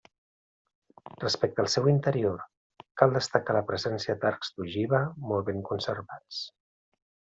Respecte al seu interior, cal destacar la presència d'arcs d'ogiva molt ben conservats.